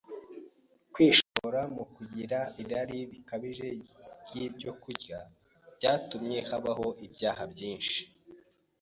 Kwishora mu kugira irari rikabije ry’ibyo kurya byatumye habaho ibyaha byinshi